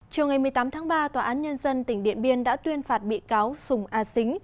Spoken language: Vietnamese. chiều ngày một mươi tám tháng ba tòa án nhân dân tỉnh điện biên đã tuyên phạt bị cáo sùng a xính